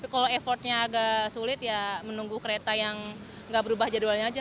kalau effortnya agak sulit ya menunggu kereta yang nggak berubah jadwalnya aja